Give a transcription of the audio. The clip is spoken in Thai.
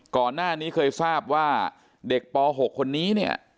ก่อนหน้านี้เคยทราบว่าเด็กป๖คนนี้เนี่ย